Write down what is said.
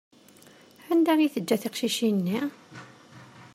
Anda i teǧǧa tiqcicin-nni?